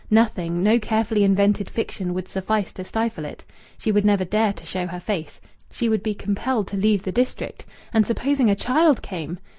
Nothing no carefully invented fiction would suffice to stifle it. She would never dare to show her face. She would be compelled to leave the district. And supposing a child came!